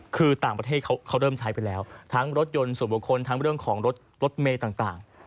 คือต่างประเทศเขาเริ่มใช้ไปแล้วทั้งรถยนต์ส่วนบุคคลทั้งเรื่องของรถรถเมย์ต่าง